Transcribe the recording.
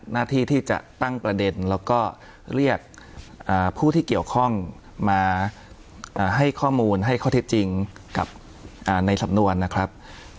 หน้าที่ที่จะตั้งประเด็นแล้วก็เรียกผู้ที่เกี่ยวข้องมาให้ข้อมูลให้ข้อเท็จจริงกับในสำนวนนะครับ